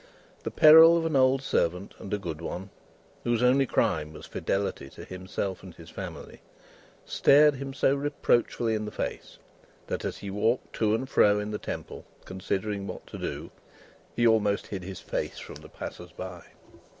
The peril of an old servant and a good one, whose only crime was fidelity to himself and his family, stared him so reproachfully in the face, that, as he walked to and fro in the Temple considering what to do, he almost hid his face from the passersby.